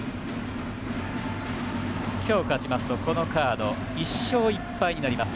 今日、勝ちますとこのカード、１勝１敗になります。